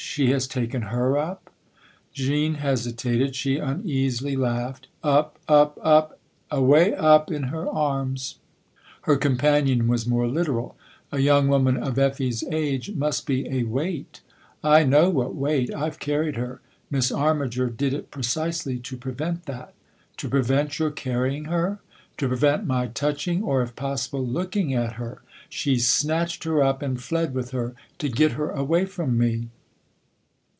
"She has taken her up ?" Jean hesitated ; she uneasily laughed. " Up up up : away up in her arms !" Her companion was more literal. "A young woman of Effie's age must be a weight !"" I know what weight I've carried her. Miss Armiger did it precisely to prevent that." " To prevent your carrying her ?"" To prevent my touching or, if possible, looking at her. She snatched her up and fled with her to get her away from me."